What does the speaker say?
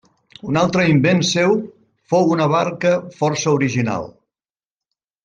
Un altre invent seu fou una barca força original.